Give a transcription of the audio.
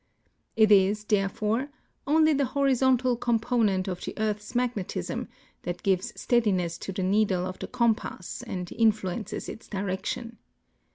It is, therefore, only the horizontal component of the earth's magnetism that gives steadiness to the needle of the compass and influences its direction.